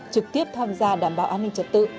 trực tiếp tham gia đảm bảo an ninh trật tự